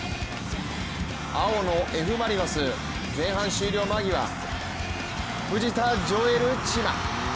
青のＦ・マリノス、前半終了間際、藤田譲瑠チマ。